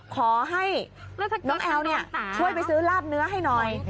ขอให้น้องแอลช่วยไปซื้อลาบเนื้อให้หน่อย